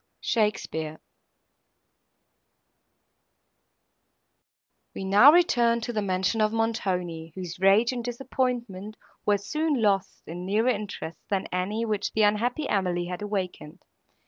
SHAKESPEARE We now return to the mention of Montoni, whose rage and disappointment were soon lost in nearer interests, than any, which the unhappy Emily had awakened.